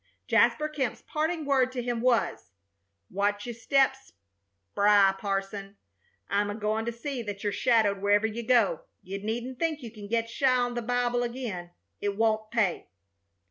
Jasper Kemp's parting word to him was: "Watch your steps spry, parson. I'm agoin' to see that you're shadowed wherever you go. You needn't think you can get shy on the Bible again. It won't pay."